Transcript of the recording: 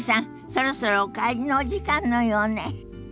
そろそろお帰りのお時間のようね。